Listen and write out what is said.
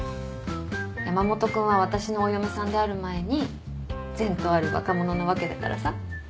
山本君は私のお嫁さんである前に前途ある若者なわけだからさ。